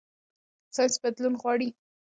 سیاسي بدلون دوام غواړي